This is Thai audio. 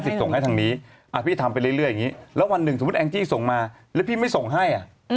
ส่งให้ทางนี้พี่ทำไปเรื่อยอย่างนี้แล้ววันหนึ่งสมมุติแองจี้ส่งมาแล้วพี่ไม่ส่งให้อ่ะ